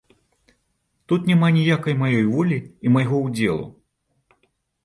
Тут няма ніякай маёй волі і майго ўдзелу.